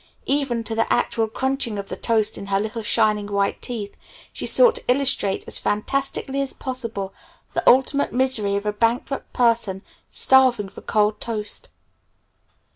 Even to the actual crunching of the toast in her little shining white teeth, she sought to illustrate as fantastically as possible the ultimate misery of a bankrupt person starving for cold toast.